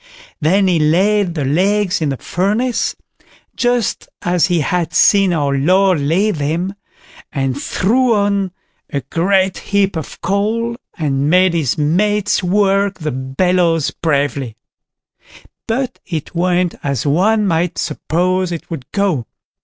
Then he laid the legs in the furnace, just as he had seen our Lord lay them, and threw on a great heap of coal, and made his mates work the bellows bravely; but it went as one might suppose it would go.